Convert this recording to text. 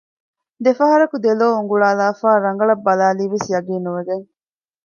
ދެފަހަރަކު ދެލޯ އުނގުޅާލާފައި ރަނގަޅަށް ބަލައިލީވެސް ޔަޤީންނުވެގެން